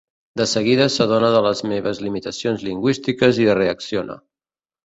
De seguida s'adona de les meves limitacions lingüístiques i reacciona.